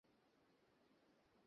এটাই আসল বিষয় না।